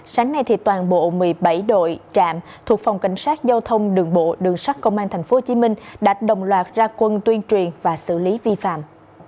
sáng nay toàn bộ một mươi bảy đội trạm thuộc phòng cảnh sát giao thông đường bộ đường sắt công an tp hcm đã đồng loạt ra quân tuyên truyền và xử lý vi phạm